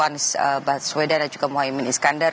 anies baswedan dan juga mohaimin iskandar